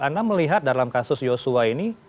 anda melihat dalam kasus yosua ini